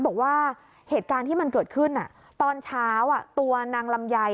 บอกว่าเหตุการณ์ที่มันเกิดขึ้นตอนเช้าตัวนางลำไย